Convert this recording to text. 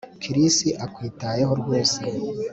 Chris akwitayeho rwose